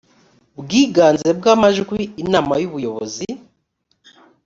bwiganze bw amajwi inama y ubuyobozi